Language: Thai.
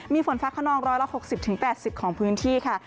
มีฝนฟ้าขนอง๑๖๐๘๐ของพื้นที่ค่ะ